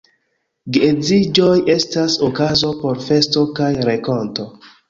Geedziĝoj estas okazo por festo kaj renkonto.